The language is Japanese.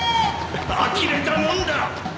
あきれたもんだ